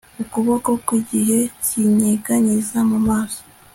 ukuboko kwigihe kinyeganyeza mu maso